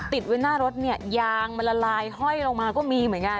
ติดไว้หน้ารถเนี่ยยางมันละลายห้อยลงมาก็มีเหมือนกัน